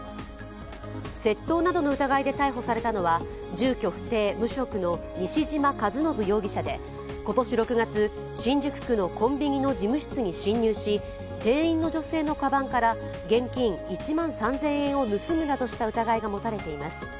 窃盗などの疑いで逮捕されたのは住居不定・無職の西嶋一信容疑者で今年６月、新宿区のコンビニの事務室に侵入し店員の女性のかばんから現金１万３０００円を盗むなどした疑いが持たれています。